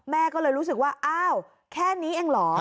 แม่ก็เลยรู้สึกว่าอ้าวแค่นี้เองเหรอ